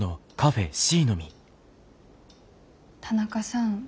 田中さん